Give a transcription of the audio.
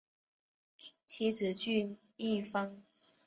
妻子琚逸芳。